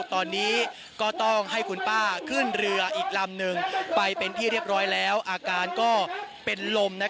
ตอนนี้ก็ต้องให้คุณป้าขึ้นเรืออีกลำนึงไปเป็นที่เรียบร้อยแล้วอาการก็เป็นลม